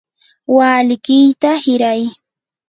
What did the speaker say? walikiyta hiray.